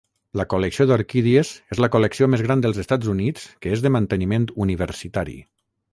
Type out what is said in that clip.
La col·lecció d'orquídies és la col·lecció més gran dels Estats Units que és de manteniment universitari.